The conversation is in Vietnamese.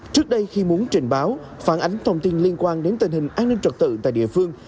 trước đây khi muốn trình báo phản ánh thông tin liên quan đến tình hình an ninh trật tự tại địa phương